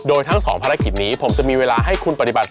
โดยทั้งสองภารกิจนี้ผมจะมีเวลาให้คุณปฏิบัติ